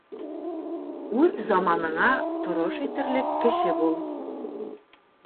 Үҙ заманыңа торош итерлек кеше бул.